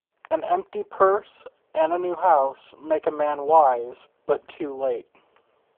An empty purse, and a new house, make a man wise, but too late.